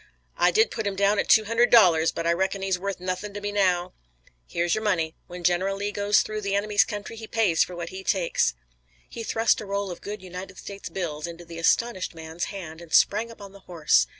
"I did put him down at two hundred dollars, but I reckon he's worth nothin' to me now." "Here's your money. When General Lee goes through the enemy's country he pays for what he takes." He thrust a roll of good United States bills into the astonished man's hand, and sprang upon the horse.